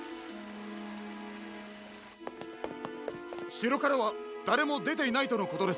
しろからはだれもでていないとのことです。